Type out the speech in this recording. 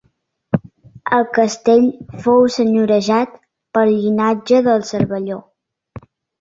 El castell fou senyorejat pel llinatge dels Cervelló.